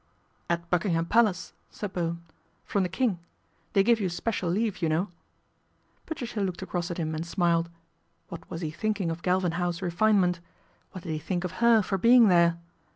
" At Buckingham Palace," said Bowen, " from the King. They give you special leave, you know." Patricia looked across at him and smiled. What was he thinking of Galvin House refinement ? What did he think of her for being there